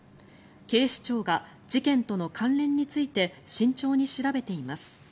警視庁が事件との関連について慎重に調べています。